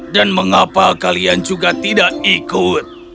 dan mengapa kalian juga tidak ikut